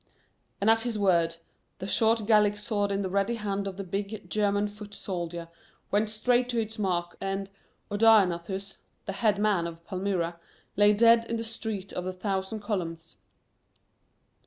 and at his word the short Gallic sword in the ready hand of the big German foot soldier went straight to its mark and Odaenathus, the "head man" of Palmyra, lay dead in the Street of the Thousand Columns.